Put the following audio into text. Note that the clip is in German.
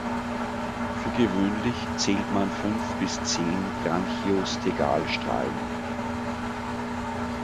Für gewöhnlich zählt man fünf bis zehn Branchiostegalstrahlen.